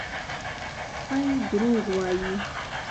_سپی دروغ وايي!